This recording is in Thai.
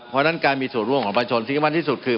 เพราะฉะนั้นการมีส่วนร่วมของประชนสิ่งที่มันที่สุดคือ